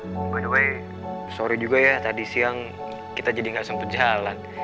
by the way sorry juga ya tadi siang kita jadi gak sempet jalan